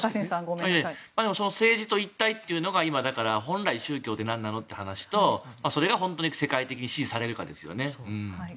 政治と一体というのが本来、宗教って何なのという話とそれが世界的に支持されるかですよね。